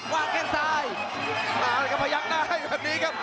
วางแก้งซ้ายปะเยังน่าให้แบบนี้ครับ